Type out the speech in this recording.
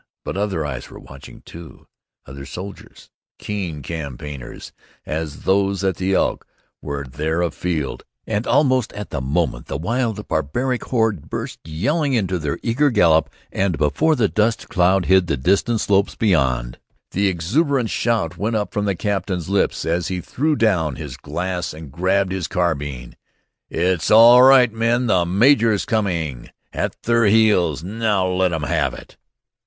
But other eyes were watching too. Other soldiers, keen campaigners as these at the Elk, were there afield, and almost at the moment the wild barbaric horde burst yelling into their eager gallop, and before the dust cloud hid the distant slopes beyond, the exultant shout went up from the captain's lips, as he threw down his glass and grabbed his carbine. "It's all right, men! The major's coming at their heels. Now let 'em have it!"